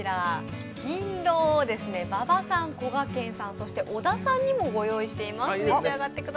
銀浪を馬場さん、こがけんさん、そして小田さんにもご用意しています。